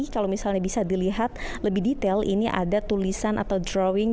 kalau misalnya bisa dilihat lebih detail ini ada tulisan atau drawing